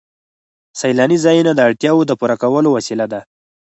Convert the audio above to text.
سیلاني ځایونه د اړتیاوو د پوره کولو وسیله ده.